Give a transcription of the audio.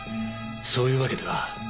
そういうわけでは。